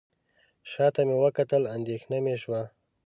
شاته مې وکتل اندېښنه مې شوه.